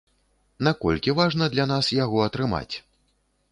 Наколькі важна для нас яго атрымаць?